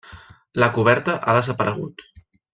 La coberta ha desaparegut.